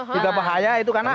juga bahaya itu karena